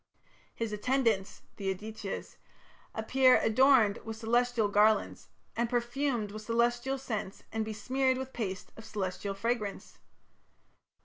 His attendants, the Adityas, appear "adorned with celestial garlands and perfumed with celestial scents and besmeared with paste of celestial fragrance".